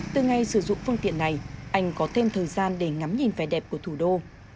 từ ngày sử dụng phương tiện này anh có thêm thời gian để ngắm nhìn vẻ đẹp của thủ đô